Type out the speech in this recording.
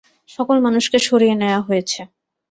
সকল মানুষকে সরিয়ে নেয়া হয়েছে।